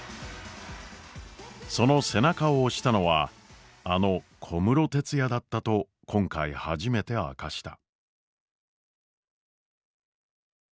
その背中を押したのはあの小室哲哉だったと今回初めて明かした。